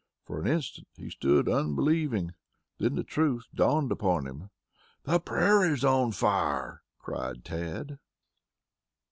For an instant he stood unbelieving, then the truth dawned upon him. "The prairie's on fire!" cried Tad.